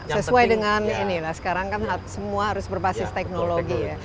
sesuai dengan ini lah sekarang kan semua harus berbasis teknologi ya